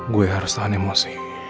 gue harus tahan emosi